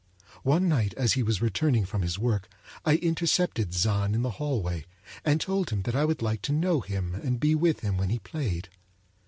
One night as he was returning from his work, I intercepted Zann in the hallway and told him that I would like to know him and be with him when he played.